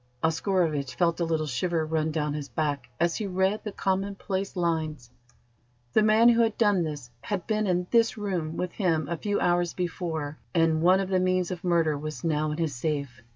Oscarovitch felt a little shiver run down his back as he read the commonplace lines. The man who had done this had been in this room with him a few hours before, and one of the means of murder was now in his safe.